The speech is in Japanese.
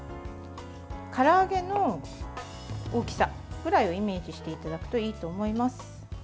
から揚げの大きさくらいをイメージしていただくといいと思います。